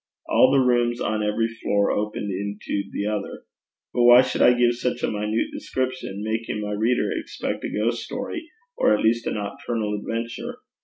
All the rooms on every floor opened each into the other; but why should I give such a minute description, making my reader expect a ghost story, or at least a nocturnal adventure?